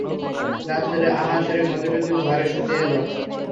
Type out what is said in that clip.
রাত্রের আহার সেরে মধুসূদন ঘরে শুতে এল।